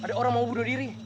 ada orang mau bunuh diri